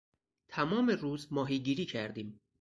تمام روز ماهیگیری کردیم.